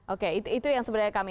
oke itu yang sebenarnya kami